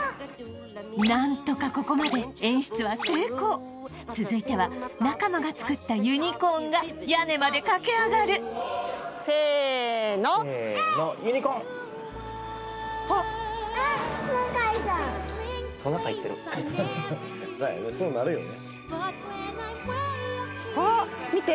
なんとかここまで演出は成功続いては中間が作ったユニコーンが屋根まで駆け上がるあっ見て！